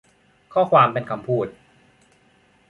ข้อความเป็นคำพูด